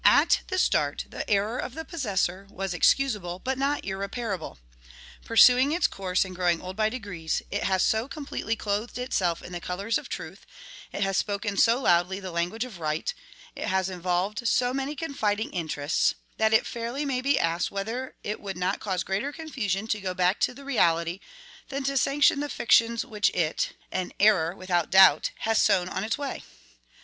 "At the start, the error of the possessor was excusable but not irreparable. Pursuing its course and growing old by degrees, it has so completely clothed itself in the colors of truth, it has spoken so loudly the language of right, it has involved so many confiding interests, that it fairly may be asked whether it would not cause greater confusion to go back to the reality than to sanction the fictions which it (an error, without doubt) has sown on its way?